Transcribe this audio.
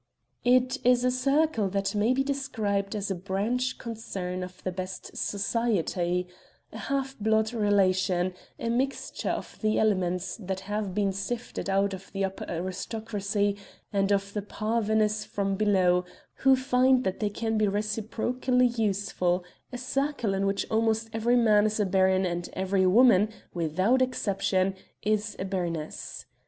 It is a circle that may be described as a branch concern of the best society; a half blood relation; a mixture of the elements that have been sifted out of the upper aristocracy and of the parvenus from below, who find that they can be reciprocally useful; a circle in which almost every man is a baron, and every woman, without exception, is a baroness.